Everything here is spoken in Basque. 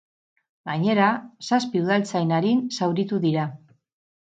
Gainera, zazpi udaltzain arin zauritu dira.